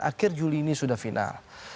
akhir juli ini sudah final